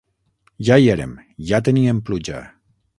Ja hi érem! Ja teníem pluja.